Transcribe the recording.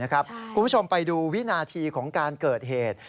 คุณผู้ชมไปดูวินาทีของการเกิดเหตุ